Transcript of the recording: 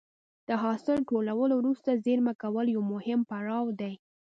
د حاصل ټولولو وروسته زېرمه کول یو مهم پړاو دی.